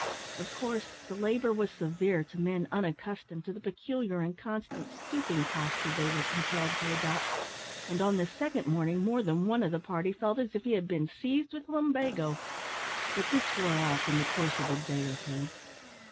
Of course, the labour was severe to men unaccustomed to the peculiar and constant stooping posture they were compelled to adopt, and on the second morning more than one of the party felt as if he had been seized with lumbago, but this wore off in the course of a day or two.